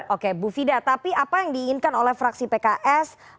oke bu fida tapi apa yang diinginkan oleh fraksi pks